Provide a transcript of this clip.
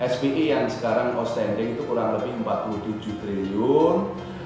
spi yang sekarang cost standing itu kurang lebih empat puluh tujuh triliun